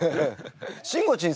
しんごちん